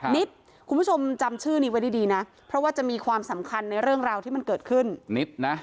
นิดคุณผู้ชมจำชื่อนี้ไว้ดีนะเพราะว่าจะมีความสำคัญในเรื่องราวที่มันเกิดขึ้นนิดนะ